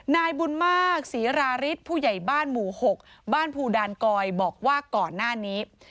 นายบุญมากศรีราฤทธิ์ผู้ใหญ่บ้านหมู่๖บ้านภูดานกอยบอกว่าก่อนหน้านี้